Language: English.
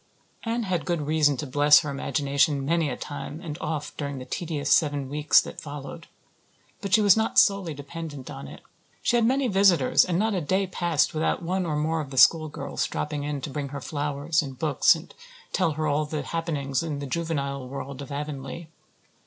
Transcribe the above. Anne had good reason to bless her imagination many a time and oft during the tedious seven weeks that followed. But she was not solely dependent on it. She had many visitors and not a day passed without one or more of the schoolgirls dropping in to bring her flowers and books and tell her all the happenings in the juvenile world of Avonlea.